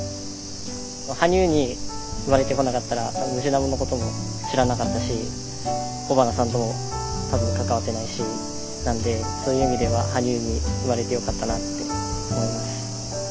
羽生に生まれてこなかったらムジナモのことも知らなかったし尾花さんとも多分関わってないしなんでそういう意味では羽生に生まれてよかったなって思います。